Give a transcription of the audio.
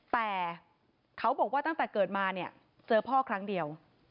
แต่เขาบอกว่าตั้งแต่เกิดมาเนี่ยเจอพ่อครั้งเดียว